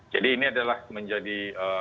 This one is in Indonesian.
jadi ini adalah menjadi